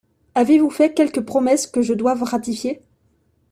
Avez-vous fait quelque promesse que je doive ratifier ?